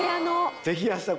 ぜひ。